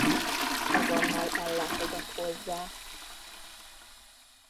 Azonnal ellátogat hozzá.